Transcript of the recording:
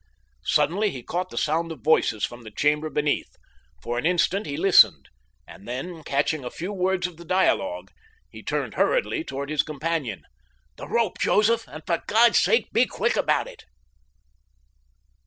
Suddenly he caught the sound of voices from the chamber beneath. For an instant he listened, and then, catching a few words of the dialogue, he turned hurriedly toward his companion. "The rope, Joseph! And for God's sake be quick about it."